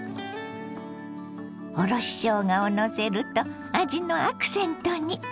おろししょうがをのせると味のアクセントに。